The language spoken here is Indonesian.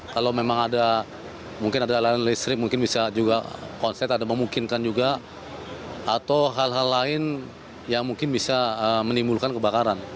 kalau memang ada mungkin ada layanan listrik mungkin bisa juga konsep ada memungkinkan juga atau hal hal lain yang mungkin bisa menimbulkan kebakaran